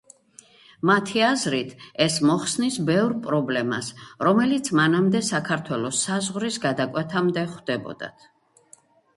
მათი აზრით ეს მოხსნის ბევრ პრობლემას, რომელიც მანამდე საქართველოს საზღვრის გადაკვეთამდე ხვდებოდათ.